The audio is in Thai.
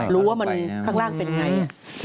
รู้ว่ามันข้างล่างเป็นไง